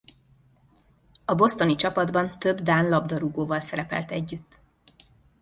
A bostoni csapatban több dán labdarúgóval szerepelt együtt.